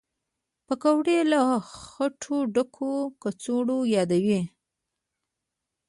پکورې له خټو ډکو کوڅو یادوي